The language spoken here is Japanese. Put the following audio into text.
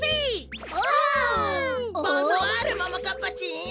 ボンソワールももかっぱちん。